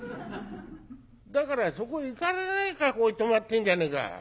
「だからそこへ行かれないからここへ泊まってんじゃねえか。